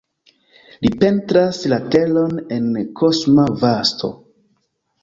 Li pentras la teron en kosma vasto.